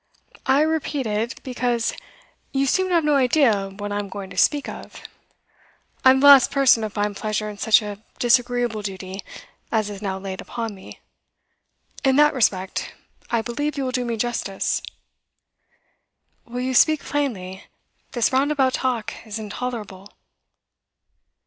'I repeat it, because you seem to have no idea what I am going to speak of. I am the last person to find pleasure in such a disagreeable duty as is now laid upon me. In that respect, I believe you will do me justice.' 'Will you speak plainly? This roundabout talk is intolerable.